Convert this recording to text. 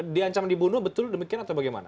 diancam dibunuh betul demikian atau bagaimana